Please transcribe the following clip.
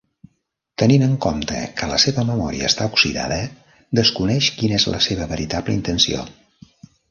Tenint en compte que la seva memòria està oxidada, desconeix quina és la seva veritable intenció.